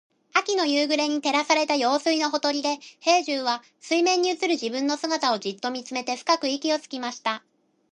秋の夕暮れに照らされた用水のほとりで、兵十は水面に映る自分の姿をじっと見つめて深く息をつきました。